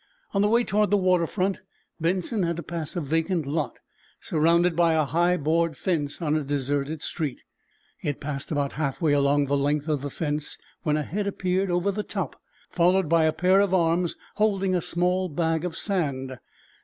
On the way toward the water front Benson had to pass a vacant lot surrounded by a high board fence on a deserted street. He had passed about half way along the length of the fence, when a head appeared over the top followed by a pair of arms holding a small bag of sand.